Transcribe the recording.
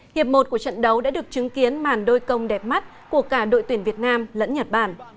hiệp một của trận đấu đã được chứng kiến màn đôi công đẹp mắt của cả đội tuyển việt nam lẫn nhật bản